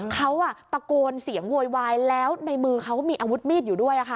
เขาตะโกนเสียงโวยวายแล้วในมือเขามีอาวุธมีดอยู่ด้วย